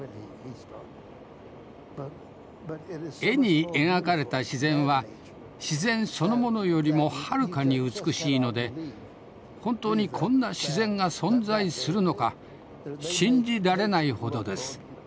絵に描かれた自然は自然そのものよりもはるかに美しいので本当にこんな自然が存在するのか信じられないほどです。